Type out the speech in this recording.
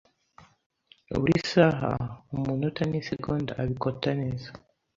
buri saha, umunota nisegonda abikota neza